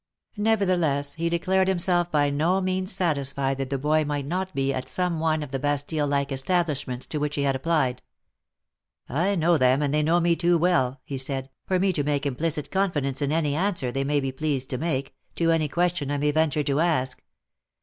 Nevertheless he declared himself by no means satisfied that the boy might not be at some one of the Bastiile like establishments to which he had applied. *' I know them, and they know me too well," he said, " for me to place implicit confidence in any answer they may be pleased to make, to any question I may venture to ask.